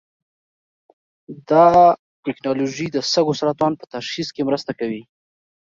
دا ټېکنالوژي د سږو سرطان په تشخیص کې مرسته کوي.